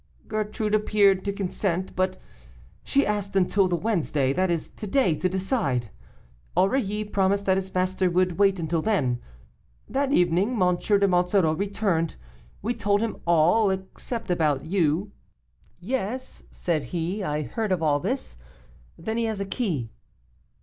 Gertrude appeared to consent, but she asked until the Wednesday that is to day to decide. Aurilly promised that his master would wait until then. That evening, M. de Monsoreau returned. We told him all, except about you. "'Yes,' said he, 'I heard of all this. Then he has a key.